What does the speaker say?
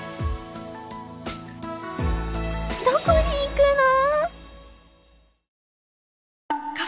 どこに行くの？